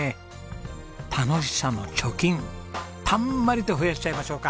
楽しさの貯金たんまりと増やしちゃいましょうか！